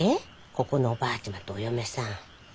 ここのおばあちゃまとお嫁さん。